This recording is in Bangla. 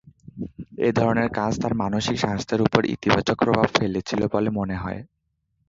এই ধরনের কাজ তার মানসিক স্বাস্থ্যের ওপর ইতিবাচক প্রভাব ফেলেছিল বলে মনে হয়।